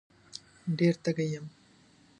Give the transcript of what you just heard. ډېره تږې یم